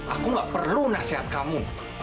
aku gak perlu nasihat kamu